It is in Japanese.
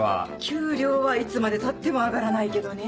給料はいつまでたっても上がらないけどね。